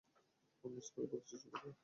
Promise করে বলছি, ছোটু ভাই।